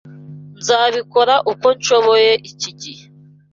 Nzabikora uko nshoboye iki gihe.